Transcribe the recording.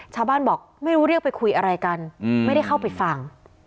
ชาวบ้านบอกไม่รู้เรียกไปคุยอะไรกันไม่ได้เข้าไปฟัง